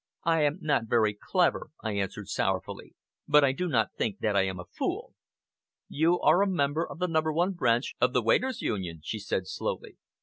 "I am not very clever," I answered sorrowfully; "but I do not think that I am a fool!" "You are a member of the No. 1 Branch of the Waiters' Union," she said slowly.